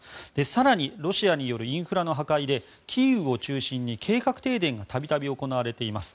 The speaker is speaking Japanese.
更にロシアによるインフラの破壊でキーウ州を中心に計画停電が度々行われています。